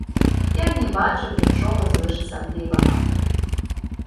Я не бачыў нічога звышасаблівага.